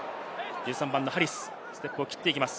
１３番ハリス、ステップを切っていきます。